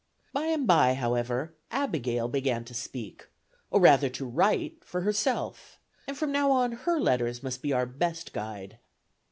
By and by, however, Abigail began to speak, or rather to write for herself, and from now on her letters must be our best guide.